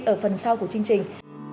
ở phần sau của chương trình